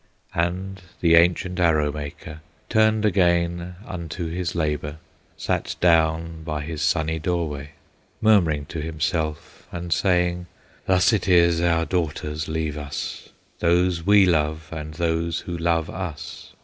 And the ancient Arrow maker Turned again unto his labor, Sat down by his sunny doorway, Murmuring to himself, and saying: "Thus it is our daughters leave us, Those we love, and those who love us!